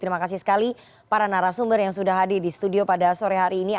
terima kasih sekali para narasumber yang sudah hadir di studio pada sore hari ini